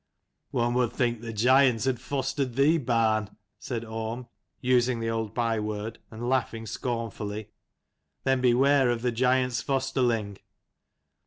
" One would think the giant had fostered thee, barn," said Orm, using the old byword, and laughing scornfully. " Then beware of the giant's fosterling."